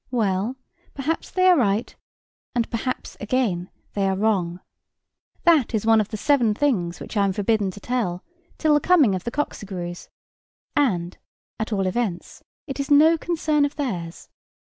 Well, perhaps they are right; and perhaps, again, they are wrong. That is one of the seven things which I am forbidden to tell, till the coming of the Cocqcigrues; and, at all events, it is no concern of theirs.